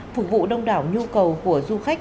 phục vụ đông đảo nhu cầu của du khách